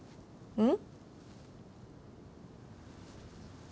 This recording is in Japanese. うん。